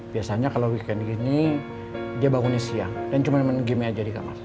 biasanya kalau weekend gini dia bangunnya siang dan cuma main gamenya aja di kamar